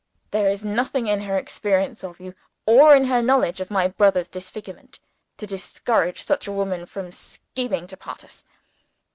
There is nothing in her experience of you, or in her knowledge of my brother's disfigurement, to discourage such a woman from scheming to part us.